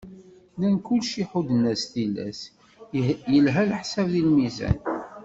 Nnan kulci ḥudden-as tilas, yelha leḥsab d lmizan.